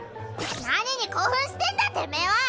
何に興奮してんだてめぇは！